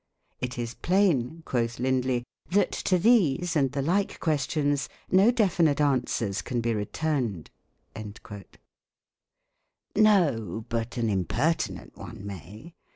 It is plain," quoth Lindley, "that to these and the like questions no definite answers can be re turned." No; but an impertinent one may.